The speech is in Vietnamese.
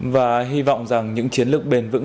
và hy vọng rằng những chiến lược bền vững